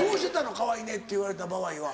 「かわいいね」って言われた場合は。